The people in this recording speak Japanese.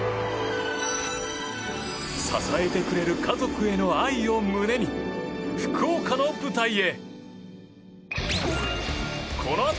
支えてくれる家族への愛を胸に福岡の舞台へ。